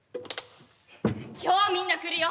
今日みんな来るよ